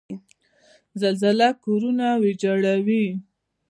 زلزله کورونه ویجاړوي.